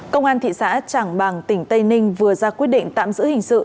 công an thị xã trảng bàng tỉnh tây ninh vừa ra quyết định tạm giữ hình sự